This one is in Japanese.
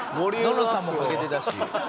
ののさんもかけてたし。